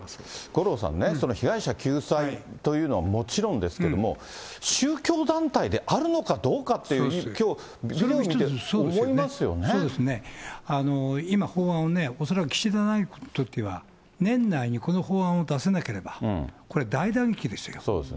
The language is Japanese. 五郎さんね、被害者救済というのはもちろんですけれども、宗教団体であるのかどうかっていう、きょう、今、法案を、恐らく岸田内閣にとっては、年内にこの法案を出せなければ、そうですね。